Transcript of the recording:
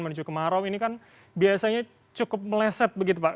menuju kemarau ini kan biasanya cukup meleset begitu pak